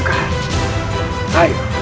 tidak hanya berlagak